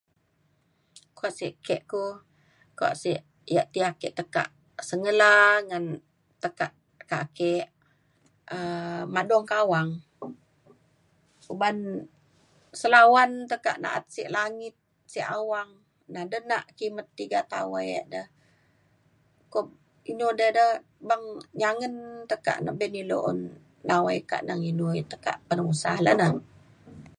kuak sek ke ku kuak sek yak ti ake tekak sengela ngan tekak ake um madung kawang uban selawan tekak na’at sek langit sek awang nak denak kimet tiga tawai e de ko- inu dei de beng nyangen tekak ne be me ilu un nawai kak neng inu tekak ban usa le ne